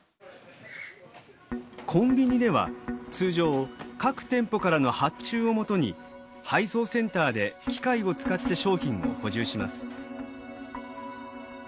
コンビニでは通常各店舗からの発注をもとに配送センターで機械を使って商品を補充します。